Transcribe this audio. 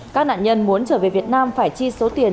các nạn nhân muốn trở về việt nam phải chi số tiền